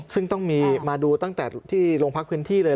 ซึ่งต้องมีมาดูตั้งแต่ที่โรงพักพื้นที่เลย